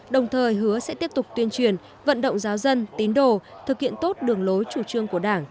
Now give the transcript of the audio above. đồng thời hứa sẽ tiếp tục tuyên truyền vận động giáo dân tín đồ thực hiện tốt đường lối chủ trương của đảng